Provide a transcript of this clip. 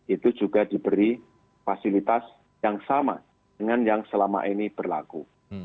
itu juga diberi fasilitas yang sama dengan yang selama ini berlaku